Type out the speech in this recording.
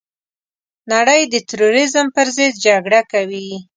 نړۍ د تروريزم پرضد جګړه کوي.